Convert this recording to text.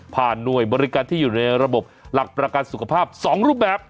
หน่วยบริการที่อยู่ในระบบหลักประกันสุขภาพ๒รูปแบบ